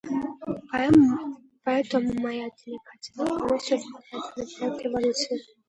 Поэтому моя делегация полностью отвергает данный проект резолюции.